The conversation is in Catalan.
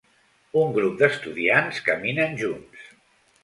Un grup d'estudiants caminen junts.